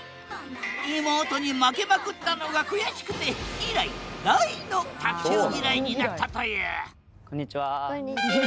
妹に負けまくったのが悔しくて以来大の卓球ぎらいになったというこんにちは。